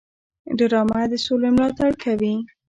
ډرامه د سولې ملاتړ کوي